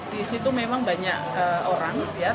di situ memang banyak orang